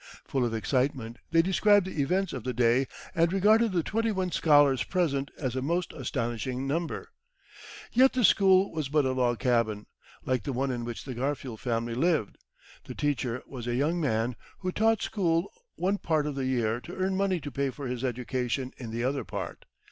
Full of excitement, they described the events of the day, and regarded the twenty one scholars present as a most astonishing number. Yet the school was but a log cabin, like the one in which the Garfield family lived. The teacher was a young man, who taught school one part of the year to earn money to pay for his education in the other part.